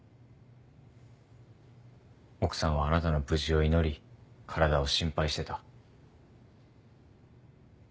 奥さんはあなたの無事を祈り体を心配してた。